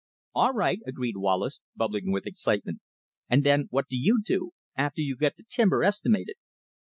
"All right," agreed Wallace, bubbling with excitement. "And then what do you do after you get the timber estimated?"